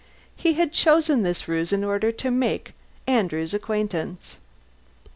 He had chosen this ruse in order to make Andrew's acquaintance.